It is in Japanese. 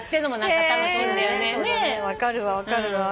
分かるわ分かるわ。